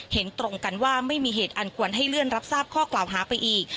เห็นตรงกันว่าไม่มีเหตุอันควรให้เลื่อนรับทราบข้อกล่าวหาไปอีก